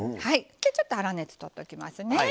ちょっと粗熱とっときますね。